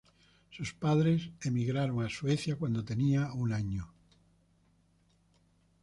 Sus padres emigraron a Suecia cuando tenía un año.